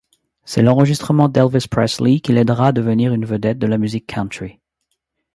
C'est l'enregistrement d'Elvis Presley qui l'aidera à devenir une vedette de la musique country.